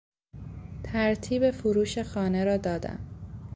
ترتیب فروش خانه را دادم.